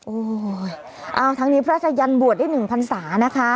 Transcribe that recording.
โอ้โฮเอาทางนี้พระชายันบวชได้๑ภัณฑ์ศาสตร์นะคะ